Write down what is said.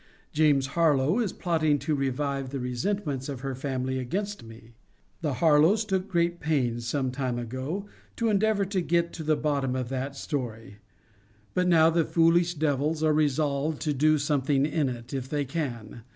James Harlowe is plotting to revive the resentments of her family against me. The Harlowes took great pains, some time ago, to endeavour to get to the bottom of that story. But now the foolish devils are resolved to do something in it, if they can.